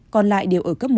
còn lại đều ở cấp một